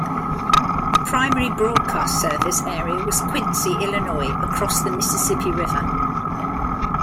The primary broadcast service area was Quincy, Illinois, across the Mississippi River.